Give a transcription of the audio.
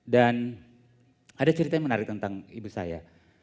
dan ada cerita yang menarik tentang ibu saya